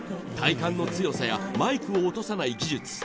体幹の強さやマイクを落とさない技術